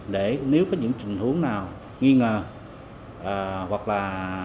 để nếu có những trình huống nào nghi ngờ hoặc là